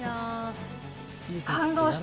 感動した。